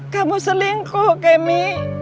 kamu selingkuh kemi